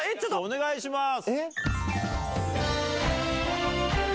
お願いします。